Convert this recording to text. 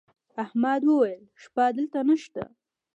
احمد وويل: شپه دلته نشته.